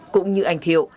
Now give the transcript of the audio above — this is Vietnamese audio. cũng như anh thiệu